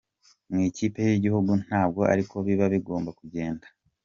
Mu ikipe y’igihugu ntabwo ariko biba bigomba kugenda.